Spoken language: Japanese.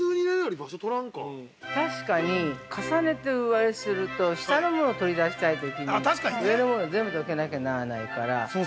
◆確かに、重ねてあれすると下のもの取り出したいときに上のもの全部どけなきゃならないから。